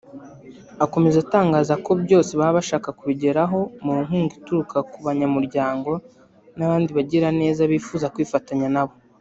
Akomeza atangaza ko byose babasha kubigeraho mu nkunga ituruka mu banyamuryango n’abandi bagiraneza bifuza kwifatanya na bo